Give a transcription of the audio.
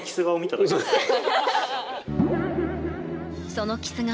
そのキス顔